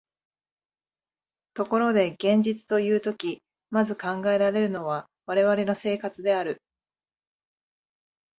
ところで現実というとき、まず考えられるのは我々の生活である。